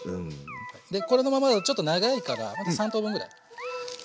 でこれのままだとちょっと長いから三等分ぐらい。